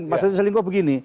maksudnya selingkuh begini